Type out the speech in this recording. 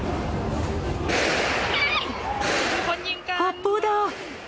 発砲だ！